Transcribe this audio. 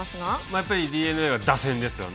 やっぱりＤｅＮＡは打線ですよね。